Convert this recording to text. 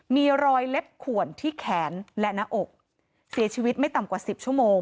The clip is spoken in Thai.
มีรอยเล็บขวนที่แขนและหน้าอกเสียชีวิตไม่ต่ำกว่าสิบชั่วโมง